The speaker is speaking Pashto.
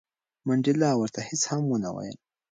منډېلا ورته هیڅ هم ونه ویل.